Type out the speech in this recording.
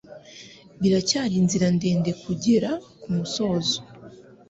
Biracyari inzira ndende kugera kumusozi.